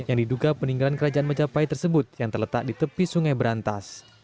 yang diduga peninggalan kerajaan majapahit tersebut yang terletak di tepi sungai berantas